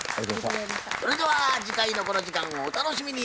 それでは次回のこの時間をお楽しみに。